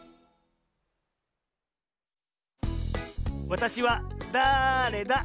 「わたしはだれだ？」